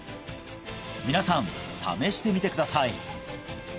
皆さん試してみてください！